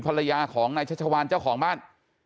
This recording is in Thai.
ภรรยาของนายชัชวานเจ้าของบ้าน